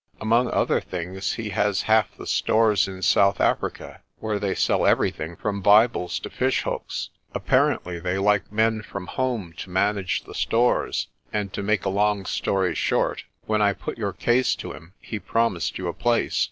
Among other things he has half the stores in South Africa, where they sell everything from Bibles to fish hooks. Apparently they like men from home to manage the stores, and to make a long story short, when I put your case to him, he promised you a place.